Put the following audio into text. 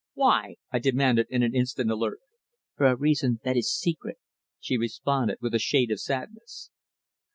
"Why?" I demanded, in an instant alert. "For a reason that is secret," she responded with a shade of sadness.